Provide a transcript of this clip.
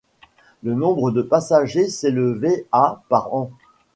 Le nombre de passagers s'élevait à par an.